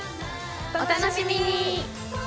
お楽しみに！